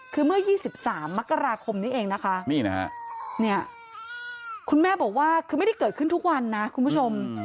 คือเมื่อ๒๓มกราคมนี้เองนะคะนี่นะฮะเนี่ยคุณแม่บอกว่าคือไม่ได้เกิดขึ้นทุกวันนะคุณผู้ชม